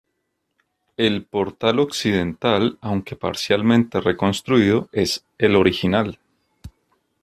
El portal occidental, aunque parcialmente reconstruido, es el original.